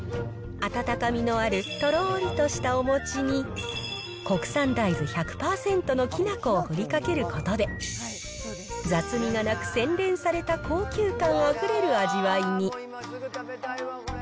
温かみのあるとろーりとしたお餅に、国産大豆１００％のきな粉を振りかけることで、雑味がなく、洗練された高級感あふれる味わいに。